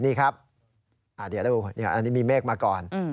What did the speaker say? นี่ครับเดี๋ยวดูอันนี้มีเมฆมาก่อน